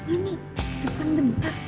ini hidupkan bentar